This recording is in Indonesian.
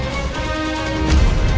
tidak ada yang bisa dihukum